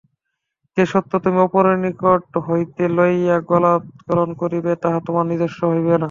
যে-সত্য তুমি অপরের নিকট হইতে লইয়া গলাধঃকরণ করিবে, তাহা তোমার নিজস্ব হইবে না।